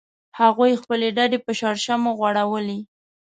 هغوی خپلې ډډې په شړشمو غوړولې